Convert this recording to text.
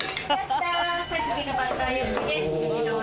カジキのバター焼きです。